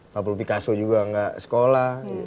pablo picasso juga gak sekolah